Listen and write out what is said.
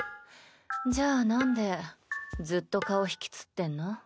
じゃあなんでずっと顔ひきつってんの？